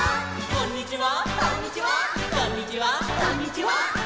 「こんにちは！」